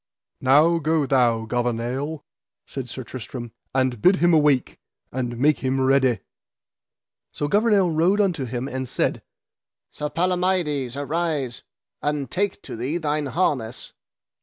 Now go thou, Gouvernail, said Sir Tristram, and bid him awake, and make him ready. So Gouvernail rode unto him and said: Sir Palamides, arise, and take to thee thine harness.